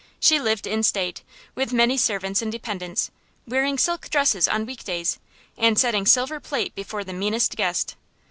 She lived in state, with many servants and dependents, wearing silk dresses on week days, and setting silver plate before the meanest guest.